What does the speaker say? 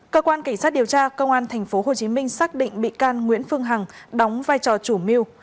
cơ quan cảnh sát điều tra công an tp hcm xác định bị can nguyễn phương hằng đóng vai trò chủ mưu